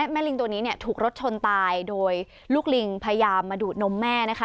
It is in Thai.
ลิงตัวนี้เนี่ยถูกรถชนตายโดยลูกลิงพยายามมาดูดนมแม่นะคะ